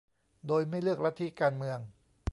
โดยไม่เลือกลัทธิการเมือง